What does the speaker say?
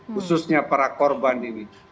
khususnya para korban ini